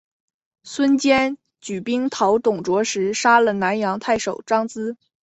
孙坚举兵讨董卓时杀了南阳太守张咨。